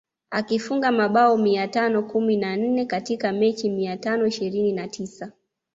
Akifunga mabao mia tano kumi na nne katika mechi mia tano ishirini na tisa